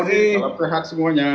selamat sehat semuanya